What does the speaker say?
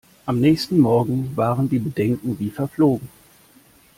Am nächsten Morgen waren die Bedenken wie verflogen.